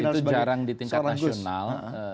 itu jarang di tingkat nasional